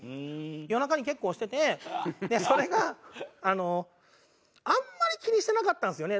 夜中に結構しててそれがあのあんまり気にしてなかったんですよね。